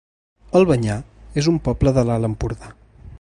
Albanyà es un poble de l'Alt Empordà